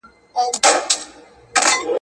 خان قره باغی